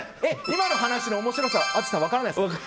今の話の面白さ淳さん、分からないですか？